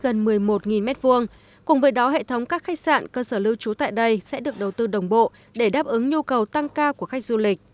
cơ sở hạ tầng có diện tích gần một mươi một m hai cùng với đó hệ thống các khách sạn cơ sở lưu trú tại đây sẽ được đầu tư đồng bộ để đáp ứng nhu cầu tăng cao của khách du lịch